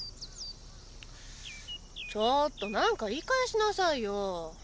ちょっと何か言い返しなさいよ。